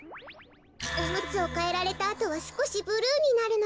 おむつをかえられたあとはすこしブルーになるのよ。